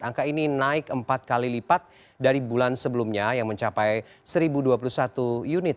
angka ini naik empat kali lipat dari bulan sebelumnya yang mencapai satu dua puluh satu unit